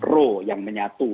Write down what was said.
ro yang menyatu